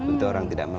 untuk orang tidak mampu